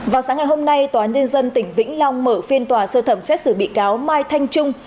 vào sáng ngày hôm nay tòa nhân dân tỉnh vĩnh long mở phiên tòa sơ thẩm xét xử bị cáo mai thanh trung